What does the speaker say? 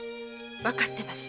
わかってます。